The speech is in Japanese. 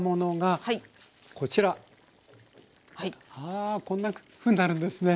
あこんなふうになるんですね。